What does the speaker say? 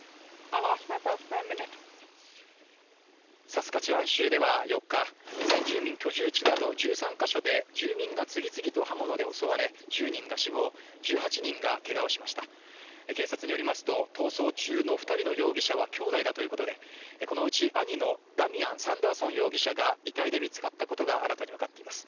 サスカチワン州では４日先住民居住地など１３か所で住民が次々と刃物で襲われ１０人が死亡１８人がけがをしました警察によりますと逃走中の二人の容疑者は兄弟だということでこのうち兄のダミアン・サンダーソン容疑者が遺体で見つかったことが新たにわかっています